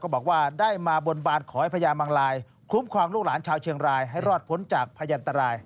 บอกว่าได้มาบนบานขอให้พญามังลายคุ้มครองลูกหลานชาวเชียงรายให้รอดพ้นจากพยันตราย